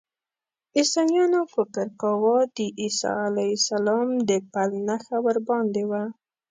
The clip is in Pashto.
عیسویانو فکر کاوه د عیسی علیه السلام د پل نښه ورباندې وه.